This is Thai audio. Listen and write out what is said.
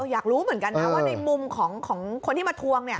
อยากรู้เหมือนกันนะว่าในมุมของคนที่มาทวง